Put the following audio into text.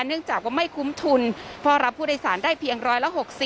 เนื่องจากว่าไม่คุ้มทุนเพราะรับผู้โดยสารได้เพียงร้อยละ๖๐